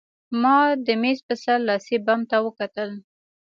ما د مېز په سر لاسي بم ته وکتل